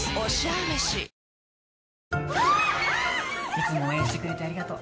いつも応援してくれてありがとう。